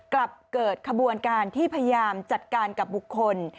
กลับเกิดขบวนการที่พยายามจัดการกับบุคคล